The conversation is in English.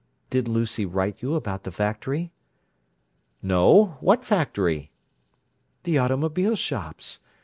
Did Lucy write you about the factory?" "No. What factory?" "The automobile shops.